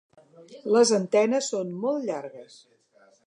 Les antenes són molt llargues.